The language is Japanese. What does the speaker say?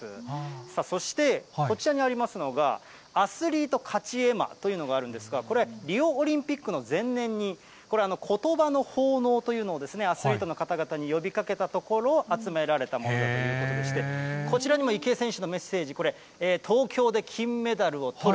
さあそして、こちらにありますのが、アスリート勝絵馬というのがあるんですが、これはリオオリンピックの前年に、これ、ことばの奉納というのをアスリートの方々に呼びかけたところ、集められたものだということでして、こちらにも池江選手のメッセージ、これ、東京で金メダルをとる！